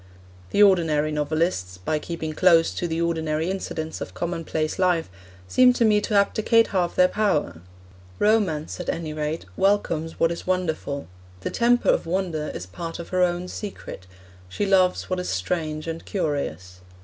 The ordinary novelists, by keeping close to the ordinary incidents of commonplace life, seem to me to abdicate half their power. Romance, at any rate, welcomes what is wonderful; the temper of wonder is part of her own secret; she loves what is strange and curious.